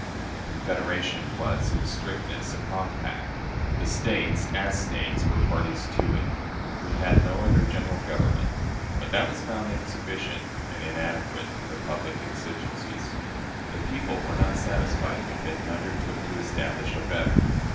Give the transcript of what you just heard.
The Confederation was, in strictness, a compact; the States, as States, were parties to it. We had no other General Government. But that was found insufficient and inadequate to the public exigencies. The people were not satisfied with it, and undertook to establish a better.